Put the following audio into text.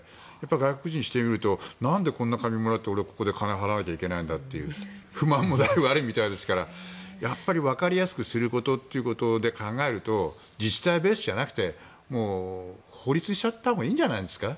外国人にしてみるとなんでこんな紙をもらって金を払わないといけないんだと不満もだいぶあるみたいですからわかりやすくすることを考えると自治体ベースじゃなくて法律にしちゃったほうがいいんじゃないですか？